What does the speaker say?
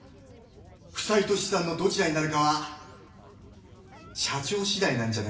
負債と資産のどちらになるかは社長しだいなんじゃないですか？